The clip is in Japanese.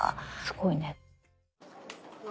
すごいね。